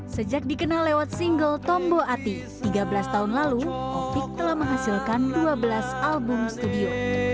sejak dikenal lewat single tombo ati tiga belas tahun lalu opik telah menghasilkan dua belas album studio